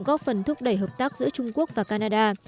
góp phần thúc đẩy hợp tác giữa trung quốc và canada